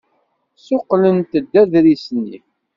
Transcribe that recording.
Ssuqqlent-d aḍris-nni.